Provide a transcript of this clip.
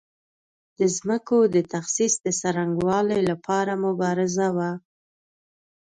د ځمکو د تخصیص د څرنګوالي لپاره مبارزه وه.